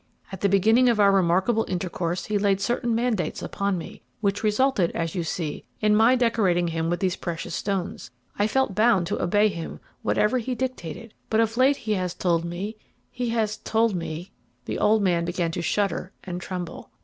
At the beginning of our remarkable intercourse he laid certain mandates upon me which resulted, as you see, in my decorating him with these precious stones. I felt bound to obey him, whatever he dictated; but of late he has told me he has told me " The old man began to shudder and tremble.